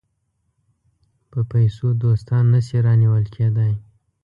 په پیسو دوستان نه شي رانیول کېدای.